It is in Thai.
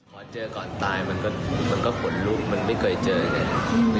มันช่วยเยอะกันหน่อย